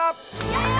やった！